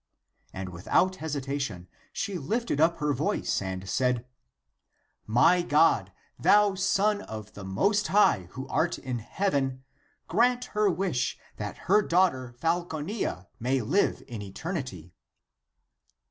And without hesitation she lifted up her voice, and said, " My God, thou Son of the Most High, who art in heaven •' grant her wish that her daughter Falconilla may live in eternity."